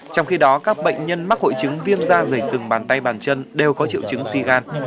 trong khi đó các bệnh nhân mắc hội chứng viêm da dày sừng bàn tay bàn chân đều có triệu chứng suy gan